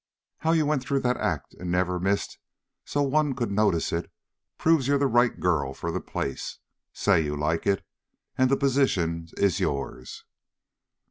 "How you went through that act and never missed so's one could notice it proves you're the girl for the place. Say you'd like it and the position's yours."